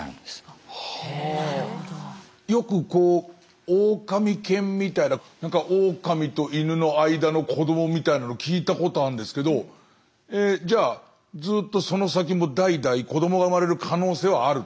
よくこうオオカミ犬みたいなオオカミとイヌの間の子どもみたいなの聞いたことあるんですけどじゃあずっとその先も代々子どもが生まれる可能性はある。